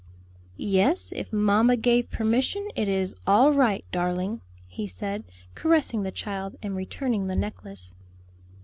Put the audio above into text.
"Yes, if mamma gave permission it is all right, darling," he said, caressing the child and returning the necklace.